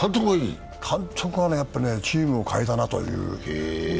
監督がチームを変えたなという。